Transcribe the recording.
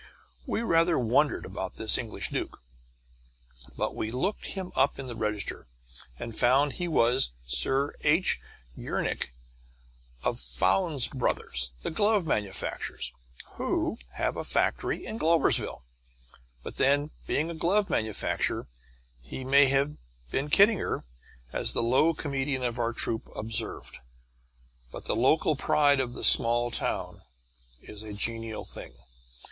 We rather wondered about this English duke, but we looked him up on the register and found that he was Sir H. Urnick of Fownes Brothers, the glove manufacturers, who have a factory in Gloversville. But then, being a glove manufacturer, he may have been kidding her, as the low comedian of our troupe observed. But the local pride of the small town is a genial thing.